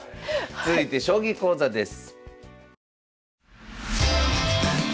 続いて将棋講座です。